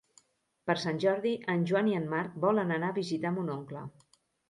Per Sant Jordi en Joan i en Marc volen anar a visitar mon oncle.